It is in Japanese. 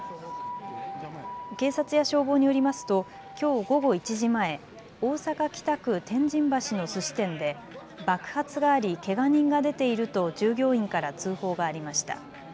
警察や消防によりますときょう午後１時前、大阪北区天神橋のすし店で爆発があり、けが人が出ていると従業員から通報がありました。